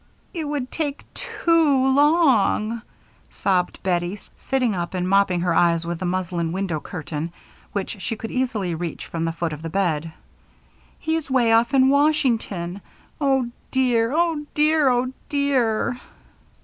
"It would take too oo oo long," sobbed Bettie, sitting up and mopping her eyes with the muslin window curtain, which she could easily reach from the foot of the bed. "He's way off in Washington. Oh, dear oh, dear oh, dear!"